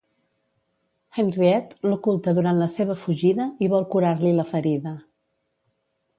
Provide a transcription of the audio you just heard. Henriette l'oculta durant la seva fugida i vol curar-li la ferida.